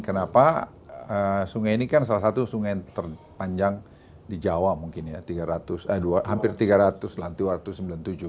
kenapa sungai ini kan salah satu sungai yang terpanjang di jawa mungkin ya tiga ratus hampir tiga ratus laki laki dua ratus sembilan puluh tujuh